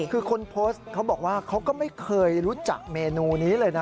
คือคนโพสต์เขาบอกว่าเขาก็ไม่เคยรู้จักเมนูนี้เลยนะ